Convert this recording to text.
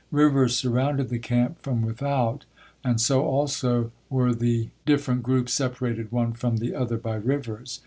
Rivers surrounded the camp from without, and so also were the different groups separated one from the other by rivers.